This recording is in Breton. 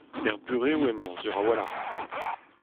Er burev emañ sur a-walc'h.